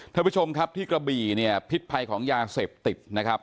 ท่านผู้ชมครับที่กระบี่เนี่ยพิษภัยของยาเสพติดนะครับ